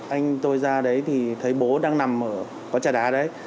anh tôi ra đấy thì thấy bố đang nằm ở quán trà đá đấy